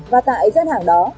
và tại gian hàng đó